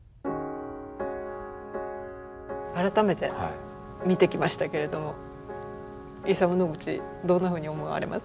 改めて見てきましたけれどもイサム・ノグチどんなふうに思われます？